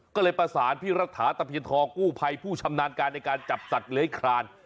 ก็เลยประสานพี่รัฐาตะเพียนทองกู้ภัยผู้ชำนาญการในการจับสัตว์เลื้อยคลาน